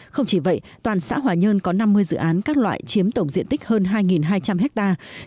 không chỉ vậy toàn xã hòa nhơn có năm mươi dự án các loại chiếm tổng diện tích hơn hai hai trăm linh hectare